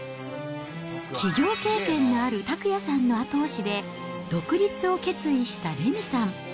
起業経験のある拓也さんの後押しで、独立を決意した玲美さん。